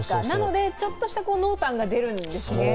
なのでちょっとした濃淡が出るんですね。